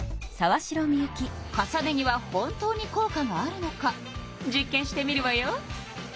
重ね着は本当に効果があるのか実験してみるわよ。